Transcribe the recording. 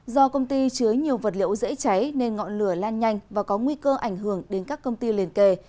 do công ty chứa nhiều vật liệu dễ cháy nên ngọn lửa lan nhanh và có nguy cơ ảnh hưởng đến các công ty liền kề